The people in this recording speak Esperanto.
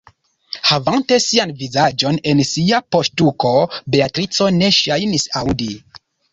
Havante sian vizaĝon en sia poŝtuko, Beatrico ne ŝajnis aŭdi.